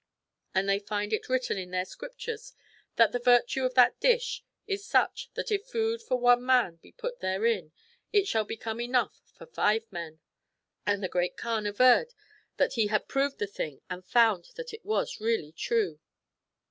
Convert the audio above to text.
^ And they find it written in their Scriptures that the virtue of that dish is such that if food for one man be put therein it shall become enough for five men ; and the Great Kaan averred that he had proved the thing and found that it was really true."'